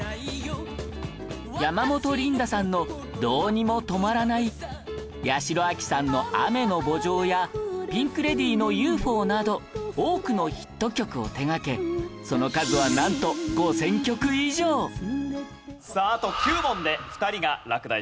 山本リンダさんの『どうにもとまらない』八代亜紀さんの『雨の慕情』やピンク・レディーの『ＵＦＯ』など多くのヒット曲を手掛けその数はなんとさああと９問で２人が落第します。